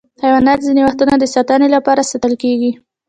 حیوانات ځینې وختونه د ساتنې لپاره ساتل کېږي.